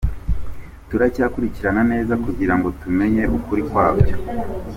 Turacyakurikirana neza kugira ngo tumenye ukuri kwabyo.